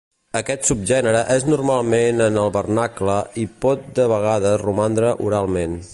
Aquest subgènere és normalment en el vernacle i pot de vegades romandre oralment.